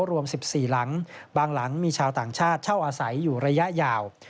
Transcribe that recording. รวม๑๔หลังบางหลังมีชาวต่างชาติเช่าอาศัยอยู่ระยะยาว